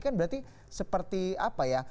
kan berarti seperti apa ya